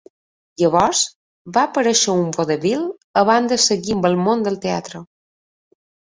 Llavors va aparèixer a un vodevil abans de seguir amb el món del teatre.